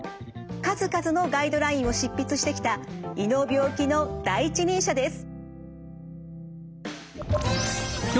数々のガイドラインを執筆してきた胃の病気の第一人者です。